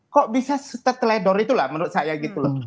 kok bisa setelah itu lah menurut saya gitu loh